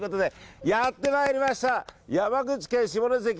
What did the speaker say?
やってまいりました山口県下関。